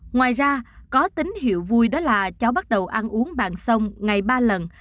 ngoài ra có tín hiệu vui đó là cháu bắt đầu ăn uống bàn sông ngày ba lần